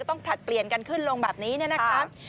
ต้องผลัดเปลี่ยนกันขึ้นลงแบบนี้นะครับ